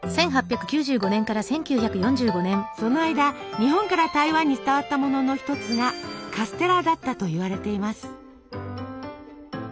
その間日本から台湾に伝わったものの一つが「カステラ」だったといわれています。